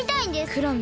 クラム！